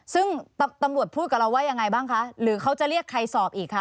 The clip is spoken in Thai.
ซึ่งตำรวจพูดกับเราว่ายังไงบ้างคะหรือเขาจะเรียกใครสอบอีกคะ